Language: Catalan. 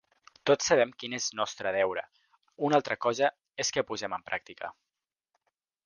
Tots sabem quin és nostre deure, una altra cosa és que posem en pràctica.